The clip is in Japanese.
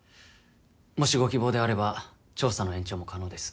もしご希望であれば調査の延長も可能です。